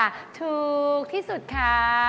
อันไหนราคาถูกที่สุดค่ะ